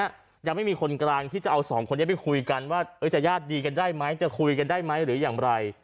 ยังไม่มีคนกลางที่จะเอาสองคนนี้ไปคุยกันว่าจะญาติดีกันได้ไหมจะคุยกันได้ไหมหรืออย่างไร